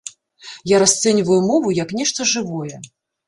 Я расцэньваю мову як нешта жывое.